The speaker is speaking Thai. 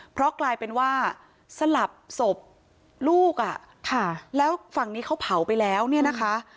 เพราะกลายเป็นว่าสลับศพลูกอ่ะค่ะแล้วฝั่งนี้เขาเผาไปแล้วเนี่ยนะคะ